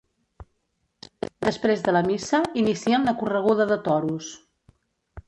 Després de la missa, inicien la Correguda de toros.